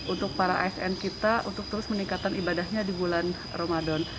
untuk para asn kita untuk terus meningkatkan ibadahnya di bulan ramadan